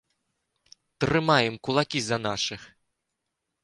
Трымаем кулакі за нашых!